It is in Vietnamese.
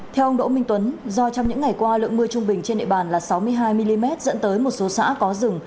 theo ông đỗ minh tuấn do trong những ngày qua lượng mưa trung bình trên địa bàn là sáu mươi hai mm dẫn tới một số xã có rừng